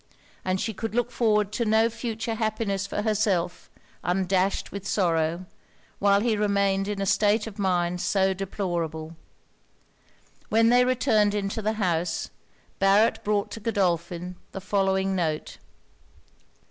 And she could look forward to no future happiness for herself, undashed with sorrow, while he remained in a state of mind so deplorable. When they returned into the house, Barret brought to Godolphin the following note.